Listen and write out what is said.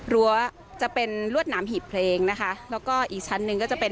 รั้วจะเป็นลวดหนามหีบเพลงนะคะแล้วก็อีกชั้นหนึ่งก็จะเป็น